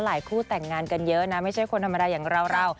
คู่แต่งงานกันเยอะนะไม่ใช่คนธรรมดาอย่างเรา